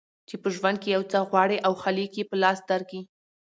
چي په ژوند کي یو څه غواړې او خالق یې په لاس درکي